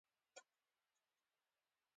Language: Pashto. غاښ چې رنځور شي، نور د انبور شي.